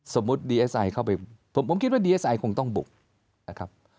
ดีเอสไอเข้าไปผมคิดว่าดีเอสไอคงต้องบุกนะครับ